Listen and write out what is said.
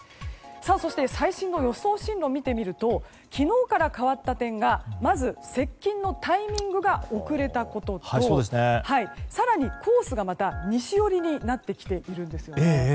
そして、最新の予想進路を見てみると昨日から変わった点がまず接近のタイミングが遅れたことと、更にコースが西寄りになってきているんです。